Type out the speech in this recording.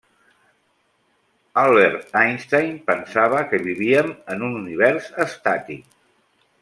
Albert Einstein pensava que vivíem en un univers estàtic.